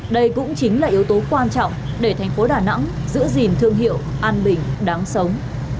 đây cũng chính là yếu tố quan trọng để thành phố đà nẵng giữ gìn thương hiệu an bình đáng sống